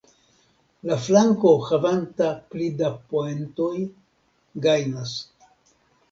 La flanko, havanta pli da poentojn, gajnas.